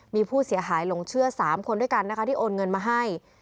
มีผู้เสียหายหลงเชื่อ๓คนด้วยกันนะคะที่โอนเงินมาให้